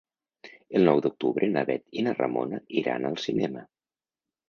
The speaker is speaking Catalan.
El nou d'octubre na Bet i na Ramona iran al cinema.